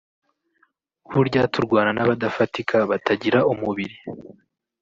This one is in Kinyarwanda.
burya turwana n’abadafatika batagira umubiri